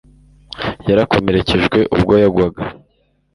Yarakomerekejwe ubwo yagwaga